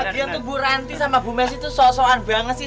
dia tuh bu ranti sama bu messi tuh sosoan banget sih